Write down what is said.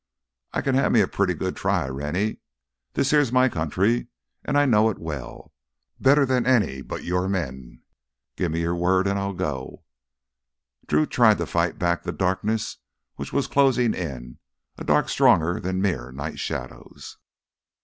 "I can have me a pretty good try, Rennie. This here's my country an' I know it well—better'n any but your men. Give me your word an' I'll go." Drew tried to fight back the darkness which was closing in, a dark stronger than mere night shadows.